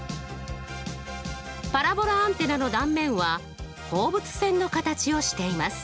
パラボラアンテナの断面は放物線の形をしています。